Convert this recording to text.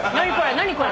何これ？